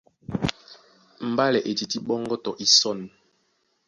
Mbálɛ e tití ɓɔ́ŋgɔ́ tɔ isɔ̂n.